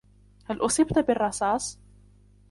هل أصبت بالرصاص ؟